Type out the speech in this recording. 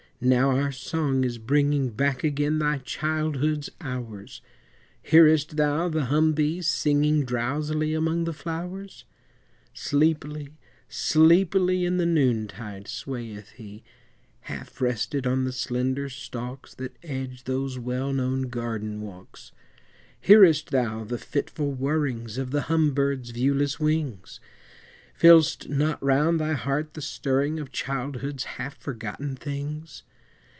now our song is bringing Back again thy childhood's hours Hearest thou the humbee singing Drowsily among the flowers? Sleepily, sleepily In the noontide swayeth he, Half rested on the slender stalks That edge those well known garden walks; Hearest thou the fitful whirring Of the humbird's viewless wings Feel'st not round thy heart the stirring Of childhood's half forgotten things?